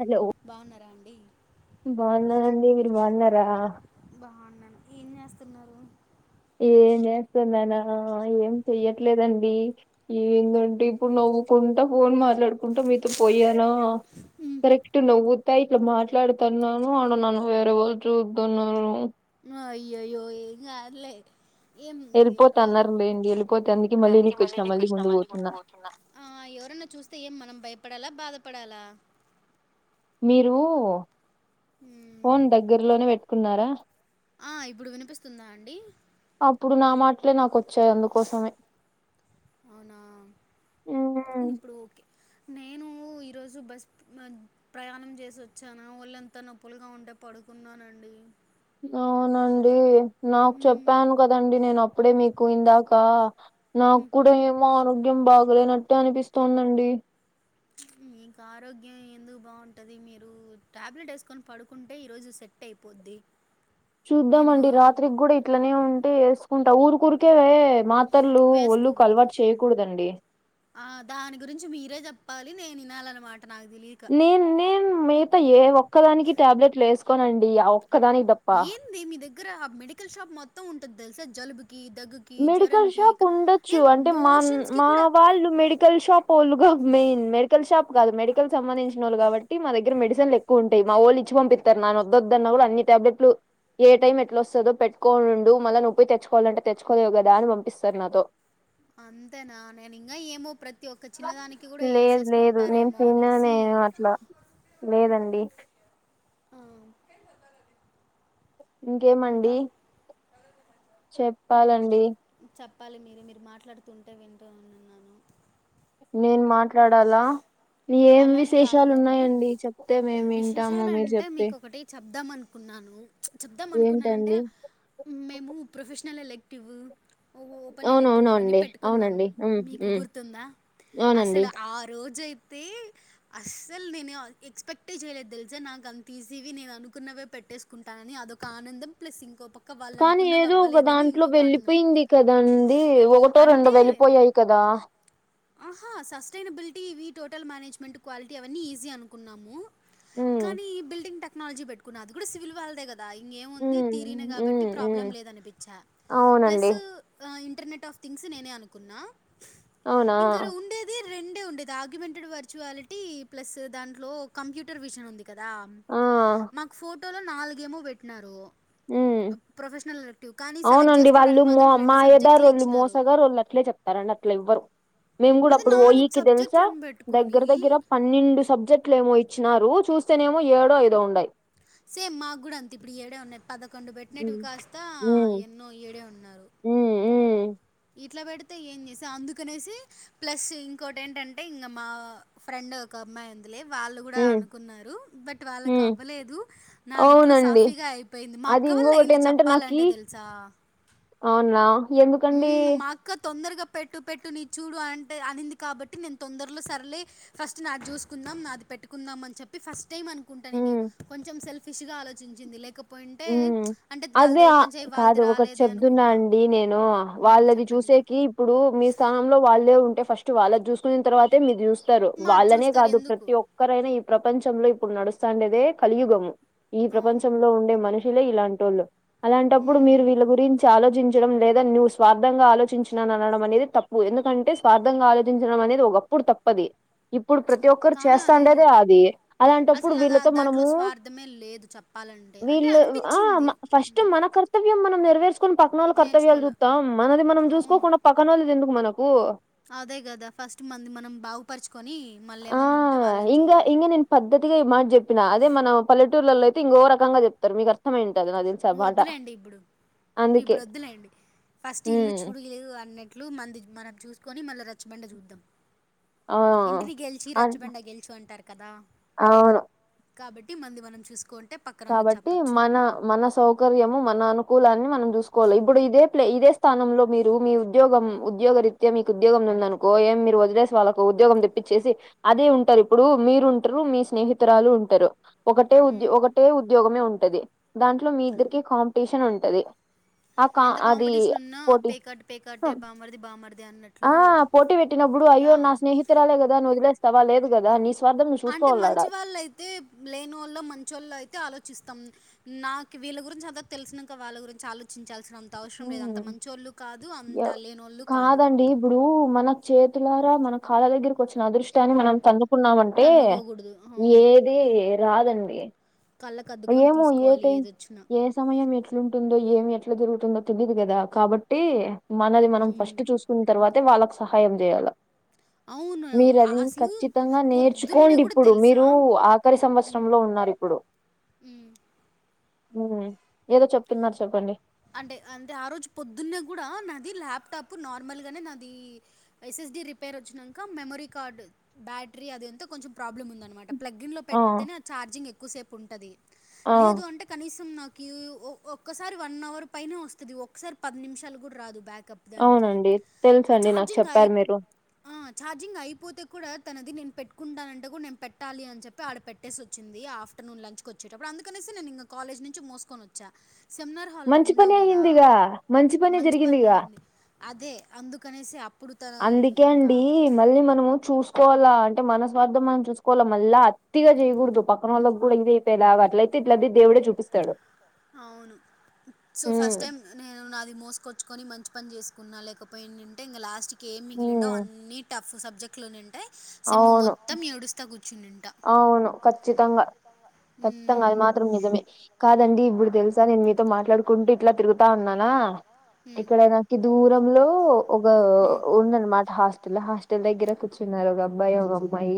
Hello బాగున్నారా అండి బాగున్నానండి మీరు బాగున్నారా బాగున్నాను ఏం చేస్తున్నారు ఏం చేస్తున్నానా ఏం చెయ్యట్లేదండి ఈ ఇప్పుడు నవ్వుకుంటా ఫోన్ మాట్లాడుకుంటా మీతో పోయానా కరెక్ట్ నవ్వుతా ఇట్లా మాట్లాడుతన్నాను అడ వేరే వాళ్ళు చూస్తన్నారూ హ్మ్ అయ్యయ్యో ఏం కాదులే ఏంది వెళ్ళిపోతా ఎవరో అన్నారు లేండి వెళ్ళిపోతే అందుకే కందుకే నీకు మళ్ళీ వేనక్కి వచ్చినా మళ్ళీ ముందు పోతున్నా పోతున్న అ ఎవరన్నా చూస్తే ఏం మనం భయపడాలా బాధపడాలా మీరు హ్మ్ ఫొన్ దగ్గరలోనే పెట్టుకున్నారా ఆ ఇప్పుడు వినిపిస్తుందా అండి అప్పుడు నా మాటలే నాకు కొత్ వచ్చాయి అందుకోసమే అవునా హమ్ ఇప్పుడు ఓకే నేను ఈరోజు బస్ ప్రయాణం చేసి వచ్చాన ఒళ్ళు అంత నొప్పులుగా ఉంటే పడుకున్నానండి అవునండి నాకు చెప్పాను ఉమ్ కదండి నేను అప్పుడే మీకు ఇందాక నాకు కూడా ఏమో ఆరోగ్యం బాగలేనట్టు అనిపిస్తోందండి మీకు ఆరోగ్యం ఎందుకు బాగుంటుంది మీరు టాబ్లెట్ వేసుకొని పడుకుంటే ఈరోజు సెట్ ట్ట అయిపోద్ది నేను చూద్దామండి రాత్రికి కూడా ఇట్లనే ఉంటే వేసుకుంటా ఊరుకూరికే మాతర్లు ఒళ్ళుకు వేసుకోకూడదు అలవాటు చేయికూడదండి ఆ దాని గురించి మీరే చెప్పాలి నేను వినాలనమాట నాకు తె నే నేను మిగతా ఏ ఒక్కదానికి టాబ్లెట్లు వేసుకోనండి ఆ ఒక్కదానికి ద ఏంది మీ దగ్గర ఆ మెడికల్ షాప్ మొత్తం ఉంటాది తెలుసా జలుబుకి దగ్గుకి మెడికల్ జ్వరంకి షాప్ ఏ ఉండొచ్చు అంటే మాన్ మోషన్స్కి మా కూడా వాళ్ళు మెడికల్ షాప్ వొళ్ళుగా మెయిన్ మె మెడికల్ షాప్ కాదు మెడికల్ సంబంధించిన వాళ్లు కాబట్టి మా దగ్గర మెడిసిన్ల్ ఎక్కువ ఉంటాయి మా వాళ్ళ ఇచ్చి పంపి నాను వద్దొద్దన్న కూడా అన్ని టాబ్లెట్లు ఏ టైం ఎట్లా వస్తుందో పెట్టుకోనిండు మళ్ళా నొప్పికి తెచ్చుకోవాలంటే తెచ్చుకోలేవు కదా అని పంపిస్తారు నాతో అంతేనా నేను ఇంకా ఏమో ప్ర తి ఒక్క చిన్నదానికి కూడా లేదు లేదు నేను వేసేసుకుంటారేమో తినను అనేసి నేను అట్లా లేదండి ఆ ఇంకేమండి ఇంకా మ్, చెప్పాలండి చెప్పాలి మీరే మీరు మాట్లాడుతుంటే వింటూ ఉన్నాను నేను మాట్లాడాలా ఏం అలా అని విశేషాలు కాదులేండి ఉన్నాయండి చెప్తే మేము వింటామ్ విశేషాలు మీరు అంటే చెప్తే మీకు ఒకటి చెప్దాం అనుకున్నాను చెప్దాం అనుకున్నానుంటే ఏంటండి మేము ప్రొఫెషనల్ ఎల్లక్టివ్ ఓ ఓపెన్ ఎలెక్టివ్ అవన్నీ అవునవునండి. పెట్టుకున్నాం అవునండి. హ్మ్. మీకు హ్మ్. గుర్తుందా అవునండి. అసలు ఆ రోజయితే అస్సలు నేనే ఎక్స్పెక్ట్ చేయలేదు తెలుసా నాకు అంత తీసి ఇవి నేను అనుకున్నవే పెట్టేసు కుంటానని అదొక ఆనందం ప్లస్ ఇంకొ [unintelligible] కానీ ఏదో ఒక దాంట్లో వెళ్లిపోయింది కదా అండి ఒకటో అంటే రెండో వెళ్లిపోయాయి కదా ఆహా సస్టైనబిలిటీ ఇవి టోటల్ మేనేజ్మెంట్ క్వాలిటీ అవన్నీ ఈజీ అనుకున్నాము హ్మ్. కానీ ఈ బిల్డింగ్ టెక్నాలజీ పెట్టుకున్న అది కూడ సివిల్ వాళ్ళదే కదా ఇంకేముంది హ్మ్. తీరినే కాబట్టి హ్మ్. హ్మ్. ప్రాబ్లం లేద అనిపిచ అవునండి. ప్లసు ఇంటర్నెట్ ఆఫ్ థింగ్స్ నేనే అనుకున్నా అవునా! ఇంక ఉండేది రెండే ఉండేది ఆ [unintelligible] వర్చువాలిటీ ప్లస్ దాంట్లో కంప్యూటర్ మిషన్ ఉంది కదా ఆ! మాకు ఫోటోలో నాలుగేమో పెట్టినారు హ్మ్. ప్రొఫెషనల్ [unintelligible] కానీ సెలెక్ట్ అవునండి. వాళ్ళు చేసుకోవడానికి మో మాత్రం రెండు సబ్జెక్టులే ఇచ్చినారు [unintelligible] అట్ల ఇవ్వరు మేము కూడా అది అప్పుడు ఓయికి తెలుసు సబ్జెక్ట్‌లని బెట్టుకొని దగ్గర దగ్గర పన్నెండు సబ్జెక్ట్లు ఏమో ఇచ్చినారు చూస్తేనేమో ఏడో ఐదో [unintelligible] సేమ్ మాకు కూడ అంత ఇప్పుడు ఏడే ఉన్నాయి పదకొండు హ్మ్. పెట్టినటివి కాస్త నో [unintelligible] ఉన్నారు ఉ ఇట్ల పెడితే ఏం చేసి అందుకనేసి ప్లస్ ఇంకోటి ఏంటంటే ఇంకా మా ఫ్రెండ్ ఒక అమ్మాయి [unintelligible] వాళ్ళు కూడా హ్మ్. అనుకున్నారు బట్ వాళ్ళకి హ్మ్. అవ్వలేదు నాది ఎట్లో అవునండి. సాఫీగా అయిపోయింది మా అది అక్క వాల్ళ ఇంగొకటి అయింది ఏందంటే నాకి చెప్పాలంటే తెలుసా అవునా ఎందుకండి ఇంకా తొందరగా పెట్టు పెట్టు నీ చూడు అంటే అనింది కాబట్టి నేను తొందరలో సరలే ఫస్ట్ నాది చూసుకుందాం నాది పెట్టుందాం అని చె చెప్పి ఫస్ట్ టైమ్ అనుకుంటాను నేను హ్మ్. కొంచెం సెల్ఫిష్ గా ఆలోచించింది లేక పోయింటే హ్మ్. అంటే అదే వాళ్ళది ఆహ్, ఓపెన్ చేయ వాళ్ళది కాదు ఒకటి రాలేదే అనుకుంటా [unintelligible] నేను హ్మ్. వాళ్ళది చెప్పండి. చూసేకి ఇప్పుడు మీ స్థానంలో వాళ్ళే ఉంటే ఫస్ట్ వాళ్ళది చూసుకున్న తర్వాత మీరు చూ మాది వాళ్ళనే చూస్తారు కాదు ఎందుకు. ప్రతి ఒ ఒక్కరైనా ఈ ప్రపంచంలో ఇప్పుడు నడుస్తాండేదే కలియుగము ఈ అవును. ప్రపంచంలో ఉ మనుషులే ఇలాంటి వాళ్ళు అలాంటప్పుడు హ్మ్. మీరు వీళ్ళ గురిం ఆలోచించడం లేదా నువ్వు స్వార్థంగా ఆలోచించిన అనడం అనేది తప్పు ఎందుకంటే స్వార్థంగా ఆలోచించడం అనేది ఒగ ఇప్పుడు తప్పది ఇప్పుడు ప్రతి ఒక్కరు కానీ చేస్త అది ఉండేదే అది అలాంటప్పుడు వీళ్ళతో మనము మే లేదు చ వీళ్ళు ఆ ఫస్ట్ మనకు ఆ కర్తవ్యం మనం నెరవేర్చకుని పన వాళ్ళ కర్తవ్యాలు నేర్చుకోలే. చూస్తాం మనది మనం అవును. చూసుకోకుండా పక్కన వాళది ఎందుకు మనకు అదే కదా ఫస్ట్ మంది మనం బాగుపరచుకొని మళ్ళ ఆ ఏమైన్నా ఉంటే వాళ్ళది ఇంగా చేయ్యాల ఇంగా నేను పద్ధతిగా ఈ మాట చెప్పినాఅదే మనం పలెటూర్లలో అయితే ఇంకో రకంగా చెప్తారు మీకు అర్థమ ఏంటి అని అది ఒద్దులేండి ఇబ్బుడు ఇప్పుడు ఒద్దులేండి ఫస్ట్ ఇల్లు హ్మ్ చూడు అన్నట్లు మంది మనం చూసుకొని మళ్ళ రచ్చబండ చూద్దాం ఆ ఇంటినీ గెలిచి అన్ రచ్చుబండ గెల్చు అంటారు కదా అవును కాబట్టి మంది మనం చూసుకో కాబట్టి మన మన సౌకర్యము మన అనుకూలాన్ని మనం చూసుకోవాలి ఇప్పుడు ఇదే ఇదే స్థానంలో మీరు మీ ఉద్యోగం ఉద్యోగ రీత్యా మీకు ఉద్యోగం ఉందనుకో ఏం మీరు వదిలేసి వాళ్కు ఉద్యోగం ఇచ్చేసి అదే ఉంటారు ఇప్పుడు మీరు ఉంటారు మీ స్నేహితురాలు ఉంటారు ఒకటే ఉద్యో ఉమ్. ఒక గమే ఉంటది దాంట్లో మీ ఇద్దరికి కాంపిటీషన్ ఉంటంది ఎంత కాంపిటీషన్ ఉన్నా పేకాట పేకాటే బామర్ది బామర్ది అన్నట్టు ఆ పోటీ పెట్టినపుడు అయ్యో నా స్నేహి రాలే కదా వదిలేస్తవా లేదుదా నీ స్వార్థం నువ్వు చూకోవాలడా అయితే లేనోళ్ళ మంచోళ్ళు అయితే ఆలోచిస్తాం నాకు వీళ్ళ గురించి అంత తెలిసినాక వాళ్ళ గురించి ఆ చర్చించాల్సినంత అవసరం లేదు అంత హ్మ్. మంచోళ్ళు కాదు ఎవ్- అంతలేని వాళ్ళు కాదు కాదండి ఇప్పుడు మన చేతులారా మన కాళ్ళ దగ్గరకి వచ్చిన అదృష్ ని మనం తన్నుకున్నామంటే తన్నుకోకూడదు. అవును. ఏది రాదండి కళ్ళకద్దుకొని ఏమో ఏ తీసుకోవాలి టైం ఏదొచ్చినా. ఏమ్ సమయం ఎట్లుంటుందో ఏం ఎట్లా జరుగుతుందో తెలిదు కదా కాబట్టి ఇ మనది మనం హ్మ్. ఫస్ట్ చూసుకున్న తర్వాతే వాళ్ళకి సహాయం చేయాలి అవును. మీరు అది అసలు ఖచ్చితంగా పొద్దున్నే నేర్చుకోండి గూడా ఇప్పుడు తెలుసా? మీరు ఆఖరి సంవత్సరంలో ఉన్నారుప్పుడు ఇప్పుడు ఉమ్ ఏదో చెప్తున్నారు చెప్పండి అంటే అంటే ఆ రోజు పొద్దున్న కూడా నాది ల్యాప్టాప్ నార్మల్గానే నాది ఎస్ఎస్డి రిపేర్ వచ్చినాక మెమరీ కార్డు బ్యాటరీ అది అంతా కొంచెం ప్రాబ్లమ్ ఉందనమాట ప్లగ్గిన్లో ఆ పెడితేనే ఛార్జింగ్ ఎక్కువసేపు ఉంటుంది ఆ లేదు అంటే కనీసం నాకు ఒక్కసారి వన్ అవర్ పైనే వస్తుంది ఒకసారి పది నిమిషాలు కూడా రాదు బ్యాకప్ దానికి అవునండి ఆ తెలుసండి నాకు ఛార్జింగ్ అయి చెప్పారు మీరు ఆ ఛార్జింగ్ అయిపోతే కూడా తనది నేను పెట్టుకుంటానంట కూడా నేను పెట్టాలి అని చెప్ప ఆడ పెట్టేసి వచ్చింది ఆఫ్టర్నూన్ లంచ్ కు వచ్చేటప్పుడు అందుక కాల్ నుంచి మోసుకొచ్చా సెమినార్ హాల్లో మంచి ఉండవు పని కదా అయ్యిందిగా మంచి పని జరిగిందిగా అయింది అదే అందుకనేసి అప్పు అందుకే అండి మళ్ళీ మనము చూసి చూసుకోవాలా అంటే మనస్వార్థం మనం చూసుకోవాలా మళ్ళీ అత్తిగా చేయకూడదు పక్కన వాళ్ళకి కూడా ఇదే దా అట్లయితే ఇట్ల దేవుడే చూపిస్తాడు అవును సో ఫస్ట్ ఉమ్ టైం నేను అది మోసుకొచ్చుకని మంచి పని చేసుకున్నా లేకపో ఏంటంటే ఇంకా లాస్ట్ ఏం మిగిలిండో ఉమ్, అన్నీ టఫ్ సబ్జెక్ట్లోనే ఉంటాయి సెమ్ అవును మొత్తం ఏడుస్తా కూర్చునింట అవును ఖచ్చితంగా ఖతంగా అది హ్మ్. మాత్ నిజమే కాదండి ఇప్పుడు తెలుసా నేను మీతో మాట్లాడుకుంటూ ఇట్లా తిరుగుతా ఉన్నానా ఏ హ్మ్. క్కడైనా దూరంలో ఒక హ్మ్. ఉందనమాట హాస్టల్ హాస్టల్ దగ్గర కూచున్నారు ఒక అబ్బాయి ఒక అమ్మాయి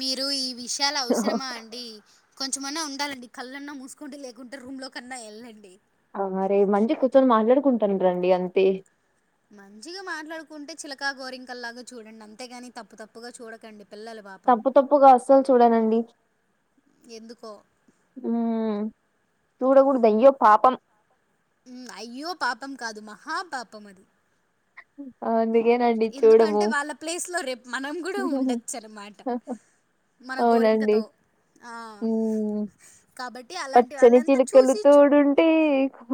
మీరు ఈ విషయాలు అవసరమా అండి కొంచెం అయిన ఉంటాలండి కళ్ళన్నా మూసుకుంటే లేకుంటే రూమ్ లో కన్నా వెళ్ళండి అవు మ రే మంచి కూర్చొని మాట్లాడుకుంటాను రండి అంతే మంచిగా మాట్లాడుకుంటే చిలకా గోరింకల్లాగా చూడండి అంతేగాని తప్పు తప్పుగా చూడకండి పిల్లలు బాబ తప్పు తప్పుగా అసలు చూడానండి ఎందుకో ఉ చూడకూడదయ్యో పాపం అయ్యోపాపం కాదు మహాపాపం అది అందుకేనండి ఎందుకంటే చూడము వాళ్ళ ప్లేస్లో రేపు మనం కూడా ఉండొచ్చు అన్నమాట మన అవునండి గోరింకతో ఆ హ్మ్ కాబట్టి అలాంటి పచ్చని వాళ్ళంతా చిలుకలు చూసి చు తోడుంటే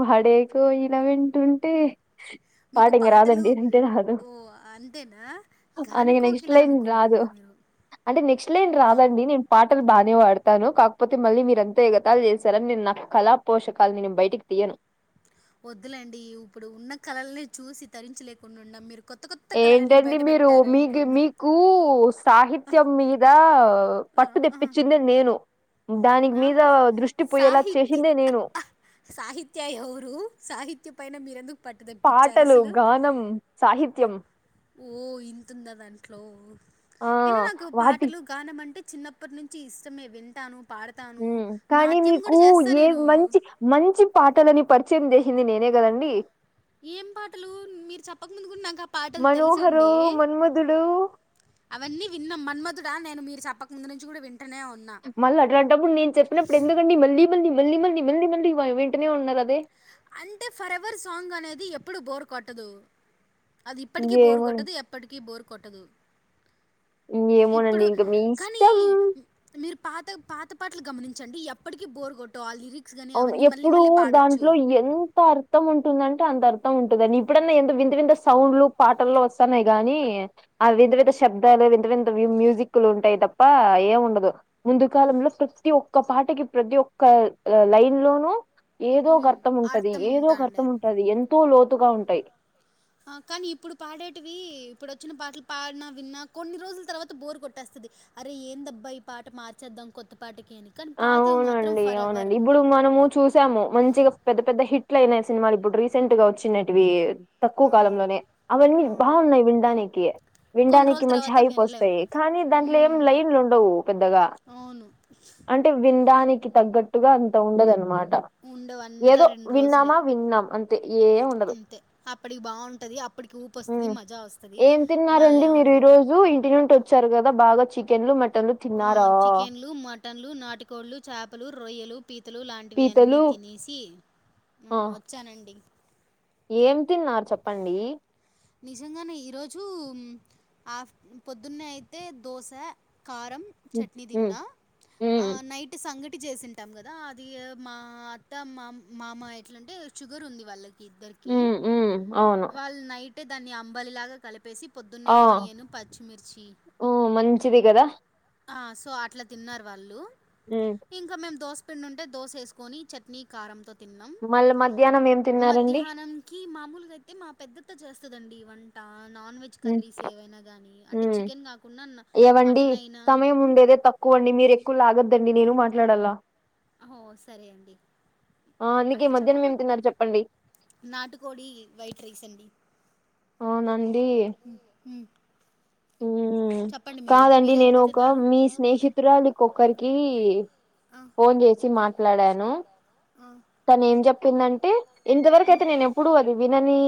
పాడే కోయల వెంటుంటే పాట మీకు ఇంక పాటలు రాదండి అంటే రాదు ఓహ్! అంతేనా? అది నెక్స్ట్ గానకోకిల లైన్ రాదు అనుకుంటున్నా మీరు. అంటే నెక్స్ట్ లైన్ మా రాదండి నేను పాటలు బాగానే పాడతాను కాకపోతే మళ్ళీ మీరంతా ఇగ మిగతావి చేశార నేను నా కళా పోషకాలు నేను బయటికి తియ్యాను వద్దులేండి ఇప్పుడు ఉన్న కళల్నె చూసి తరించలేకున్నా మీరు కొత్త కొత్త కళలన్నీ ఏంటండి బయట మీరు మీకి పెట్టారనుకోండి మీ కు సాహిత్యం మీద ఆ, పట్టు ఆ. తెప్పిచ్చిందే నేను దానికి మీద నాకు దృష్టి పోయేలా సాహిత్య చేసిందే నేను ఆ, సాహిత్య ఎవరు సాహిత్య పైన మీరెందుకు పట్టు తెప్పిచ్చారు పాటలు, అసలు గానం, సాహిత్యం ఓ ఇంతుందా దాంట్లో ఆ! అయిన నాకు వాటి పాటలు గానం అంటే చిన్నప్పటి నుంచి ఇష్టమే వింటాను పాడత తాను హ్మ్. కానీ నాట్యం కూడా మీకు చేస్తా ఏ నేను మంచి మంచి పాటలని పరిచయం చేసింది నేనే కాదండి ఏం పాటలు మీరు చెప్పకముందు కూడా నాకు ఆ పాటలు 'మనోహరో తెలుసండి మన్మధుడు' అవన్నీ విన్నాం మన్మధుడా నేను మీరు చెప్పకముందు నుంచి కూడా వింటనే ఉన్న మళ్ళా అట్లాంటప్పుడు నేను చెప్పినప్పుడు ఎందుకండి మళ్ళీ మళ్ళీ మళ్ళీ మళ్ళీ మళ్ళీ మళ్ళీ వెంటనే ఉన్నారు అదే అంటే ఫర్ ఎవర్ సాంగ్ అనేది ఎప్పుడు బోర్ కొట్టదు అది ఇప్పటికీ బోరు ఏమోనండి. కొట్టదు ఎప్పటికీ బోరు కొట్టదు ఇప్పుడు ఏమోనండి ఇంక మీ కానీ ఇష్టం. మీరు పాత పాత పాటలు గమనించండి ఎప్పటికీ బోర్ కొట్టవు ఆ లిరిక్స్ కానీ అవన్నీ మళ్ళీ మళ్ళీ పాడ లో ఎంత అర్థం ఉంటుందంటే అంత అర్థం ఉంటాదండి ఇప్పుడన్నా ఎంత వింత వింత సౌండ్ లు పాటల్లో వస్తాన్నాయి గాని ఆ వింత వింత శబ్దాలు వింత వింత మ్యూజిక్లు ఉంటాయి తప్ప ఏం ఉండదు ముందు కాలంలో ప్రతి ఒక్క పాటకి ప్రతి ఒక్క లైన్ లోనూ ఏదో ఒక ఉమ్, అర్ధం ఉంటది అర్థం ఏదో ఒక ఉంటాండే అర్ధం ఉంటది ఎంతో లోతుగా ఉంటాయి [inaudible] కానీ ఇప్పుడు పాడేటివి ఇప్పుడు వచ్చిన పాటలు పాడిన విన్నా కొన్ని రోజుల తర్వాత బోర్ కొట్టేస్తాది అరే ఏం దబ్బా ఈ పాట మార్చేద్దాం కొత్త పాటకి అని కానీ పాతవి మాత్రం అవునండి ఫర్ అవునండి ఎవర్ ఇబ్బుడు మనము చూసాము మంచిగా పెద్ద పెద్ద హిట్లు అయినాయి సినిమాలు ఇప్పుడు రీసెంట్ గా వచ్చిన్నేటివి తక్కువ కాలంలోనే అవన్నీ అవును బాగున్నాయి వినడానికి కొన్ని వినడానికి రోజుల మంచి తర్వాత హైప్ వినలేం వస్తాయి కానీ దాంట్లో ఏం ఉమ్ లైన్లు ఉండవు పెద్దగా అవును అంటే వినడానికి తగ్గట్టుగా అంత ఉండదనమాట ఉండవు అంతా ఏదో రెండు రోజులే విన్నామా విన్నాం అంతే ఏం ఉండదు. అంతే అప్పటికి బాగుంటుంది అప్ ఇప్పటికి ఊపు వస్తది మజా వస్తది మళ్ళ ఈ రోజు ఇంటి నుండి వచ్చారు కదా బాగా చికెన్ లు మట ఆ చికెన్ లు మటన్ లు నాటికోళ్లు చేపలు రొయ్యలు పీతలు ఇలాంటివి అన్నీ పీతలు తినేసి ఆ వచ్చానండి ఏమి తిన్నారు చెప్పండి నిజంగానే ఈరోజు ఆఫ్ పొద్దున్నే అయితే దోశ కారం హ్మ్. చట్నీ హ్మ్. తిన్నా ఆ హ్మ్. నైట్ అంటే సంగటి చేసింటాం కదా అది మా అత్త మా మామ ఎట్లాంటే షుగర్ ఉంది వాళ్ళకి ఇద్దరికి హ్మ్ హ్మ్. అవును. వాళ్ళు నైటే దాన్ని అంబలి లాగా కలిపేసి పొద్దున్నే ఆనియన్ పచ్చిమిర్చి ఉం మంచిది కదా ఆ సో అట్లా తిన్నారు వాళ్ళు ఉం ఇంకా మేము దోశ పిండుంటె దోస వేసుకొని చె చట్నీ కారంతో తిన్నాం మళ్ళా మధ్యాహ్నం ఏం తిన్నారండి? మధ్యాహానం కి మామూలుగా అయితే మా పెద్ద అత్త చేస్తదాండి వంట నాన్ వెజ్ హ్మ్. కర్రీస్ ఏవయినా గానీ అంటే హ్మ్. చెకేన్ కాకుండా ఏవండీ మటన్ అయినా సమయం హ్మ్ ఉండేదే తక్కువ అండి మీరు ఎక్కువ లాగద్దండి నేను మాట్లాడాల ఓ సరే అండి ఆ అందుకే అట్లా మధ్యానం ఏం చెప్పకున్ తిన్నారు చెప్పండి నాటుకోడి వైట్ రైస్ అండి అవునండి. అవునా అండి ఉం ఉం కాదండి మీరేం నేను ఒక తిన్నారు మీ స్నేహితురాళక్కొక్కరికి ఆ ఫోన్ చేసి మాట్లాడాను ఆ తను ఏం చెప్పిందంటే ఇంతవరకు హ్మ్ అయితే నేను ఇప్పుడు అది వినని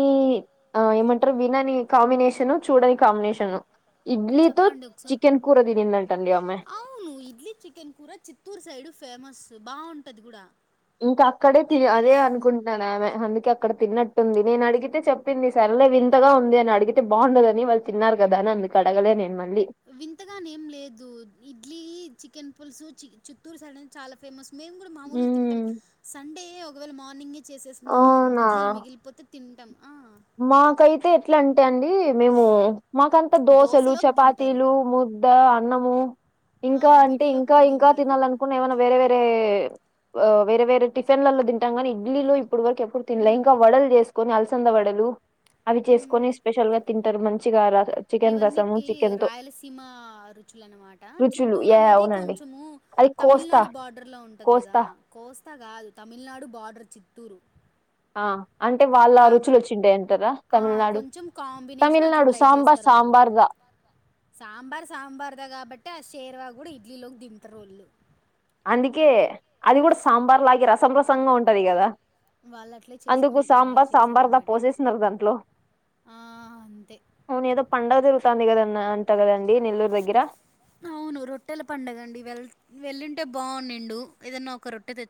ఆ ఏమంటారు వినని కాంబినేషను చూడని కాంబినేషను ఇడ్లీతో చెప్పండి ఒకసారి చికెన్ కూర తినిందంట అండి ఆమె అవును ఇడ్లీ చికెన్ కూర చిత్తూరు సైడ్ ఫేమస్ బాగుంటది కూడా ఇంకా అక్కడే అదే అనుకుంటాను ఆమె అందుకే అక్కడ తిన్నట్టుంది నేను అడిగితే చెప్ చెప్పింది సరలే వింతగా ఉంది అని అడిగితే బాగుండదని వాళ్ళు తిన్నారు కదా అని అందుకు అడగలే నేను మళ్ళీ వింతగానే ఏం లేదు ఇడ్లీ చికెన్ పులుసు చి చు చిత్తూరు సైడ్ అనేది చాలా ఫేమస్ మేము కూడా మామలుగా తింటాం ఉమ్ సండే ఒకవేళ మార్నింగ్ చేసేసిన అవునా ఇడ్లీలు మిగిలిపోతే తింటాం ఆ మాకైతే ఎట్లా అంటే అండి మేము మాకంత దోశలు దోశలోకి తింటారు చపాతీలు ముద్ద అన్నము ఆ ఇంకా అంటే వీటిలోకి ఇంకా కూడా ఇంకా తింటారు తినాలనుకు ఏమైనా వేరే వేరే ఆ వేరే వేరే టిఫన్లలో తింటాం కానీ ఇడ్లీలో ఇప్పుడు వరకు ఎప్పుడు తినలే మ్మ్ ఇంకా వడలు చేసుకోని అలసంద వడలు అవి మ్మ్ చేసుకొని స్పెషల్ గా తింటారు మంచిగా చికెన్ రసము ఇవన్నకి చికెన్ తో రాయలసీమ రుచులనమాట రుచులు చిత్తూరు యా అనేది అవునండి కొంచము అది కోస్తా తమిళనాడు బార్డర్లో ఉంటుంది కదా కోస్తా కోస్తా కాదు తమిళనాడు బార్డర్ చిత్తూరు ఆ అంటే వాళ్ల రుచులు కాబట్ వచ్చింటాయి అంటారా ఆ తమిళనాడు కొంచెం కాంబినేషన్ అట్లా తమిళనాడు ట్రై సాంబార్ చేస్తారు వాళ్ళు సాంబార్దా సాంబార్ సాంబార్దా కాబట్టి ఆ షేర్వా కూడా ఇడ్లీలోకి తింటారు రోళ్ళు అందుకే అది కూడా సాంబార్ లాగ రసం రసంగా ఉంటది కదా వాళ్ళు అట్లే అందుకు చేసుకుంటారు వాళ్ళు సాంబార్ చేసేదాన్ని సాంబార్గా బట్టి పోసేసన్నారు దాంట్లో ఆ అంతే అవును ఏదో పండగ జరుగుతుంది కద అంట కదండీ నెల్లూరు దగ్గర అవును రొట్టెల పండగ అండి వె వెళ్ళింటే బాగున్నాండు ఏదన్న ఒక రొట్టె తెచ్చ